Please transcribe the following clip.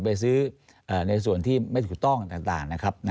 ไปซื้อในส่วนที่ไม่ถูกต้องต่างนะครับ